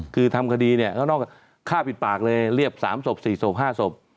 คือทำคดีเนี่ยข้างนอกฆ่าปิดปากเลยเรียบ๓ศพ๔ศพ๕ศพ